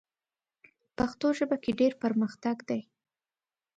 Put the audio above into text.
پښتو ژبه کې ډېر پرمختګ دی.